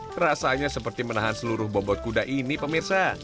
perasaannya seperti menahan seluruh bobot kuda ini pemirsa